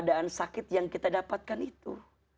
dan sakit yang kita dapatkan itu